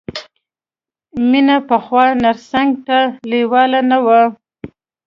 مینه پخوا نرسنګ ته لېواله نه وه